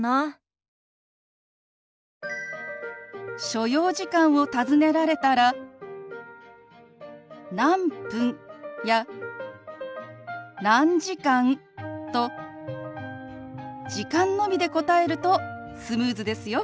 所要時間を尋ねられたら「何分」や「何時間」と時間のみで答えるとスムーズですよ。